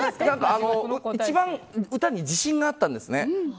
一番歌に自信があったんですね。